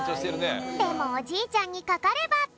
でもおじいちゃんにかかれば。